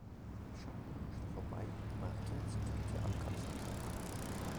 Der Schatten huschte vorbei und Maria zitterte am ganzen Körper.